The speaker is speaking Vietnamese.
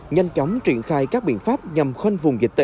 nhanh chóng triển khai các biện pháp nhằm khoanh vùng dịch